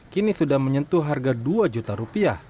kini sudah menyentuh harga rp dua